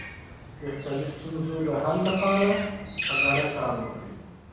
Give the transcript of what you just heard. د اقتصادي ستونزو د حل لپاره په ګډه کار وکړئ.